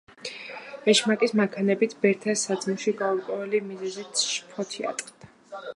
ეშმაკის მანქანებით ბერთა საძმოში, გაურკვეველი მიზეზით, შფოთი ატყდა.